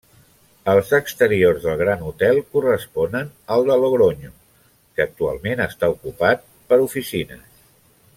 Els exteriors del Gran Hotel corresponen al de Logronyo, que actualment està ocupat per oficines.